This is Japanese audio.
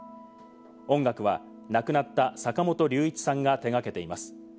音楽は亡くなった坂本龍一さんが手がけています。